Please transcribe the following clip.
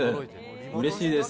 うれしいです！